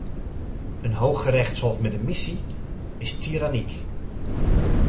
Een hooggerechtshof met een missie is tiranniek.